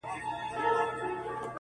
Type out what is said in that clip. سرونه رغړي ویني وبهیږي!